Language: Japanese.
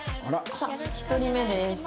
さあ１人目です。